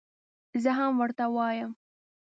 زه هم ورته وایم.